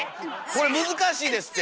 これ難しいですって！